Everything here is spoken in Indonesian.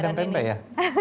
ada empe empe ya